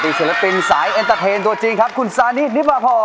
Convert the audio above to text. สวัสดีเศรษฐ์ศิลปินสายเอ็นเตอร์เทนตัวจริงครับคุณซานินิมาพอร์